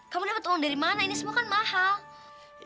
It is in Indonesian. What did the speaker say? kamu dapat uang dari mana ini semua mahal kan